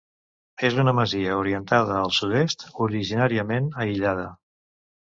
És una masia orientada a Sud-est, originàriament aïllada.